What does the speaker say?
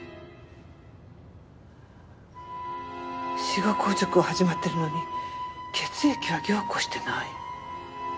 死後硬直は始まってるのに血液は凝固してない。